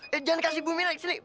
jangan kasih bumirna disini